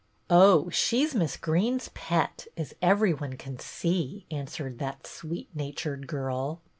" Oh, she 's Miss Greene's pet, as every one can see," answered that sweet natured girl.